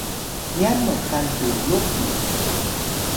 nyan mxan tunux mu